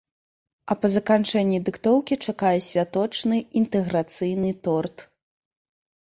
А па заканчэнні дыктоўкі чакае святочны, інтэграцыйны торт.